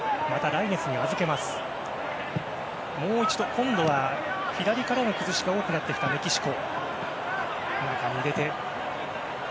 今度は左からの崩しが多くなってきたメキシコ。